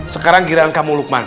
sekarang giliran kamu lukman